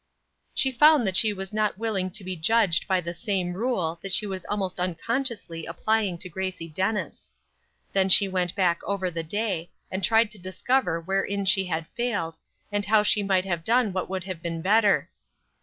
She found that she was not willing to be judged by the same rule that she was almost unconsciously applying to Gracie Dennis. Then she went back over the day, and tried to discover wherein she had failed, and how she might have done what would have been better.